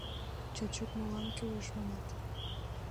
Чачук молан кӱлеш, манат?